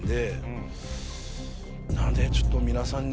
なのでちょっと皆さんに。